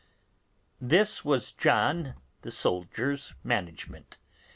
This was John the soldier's management.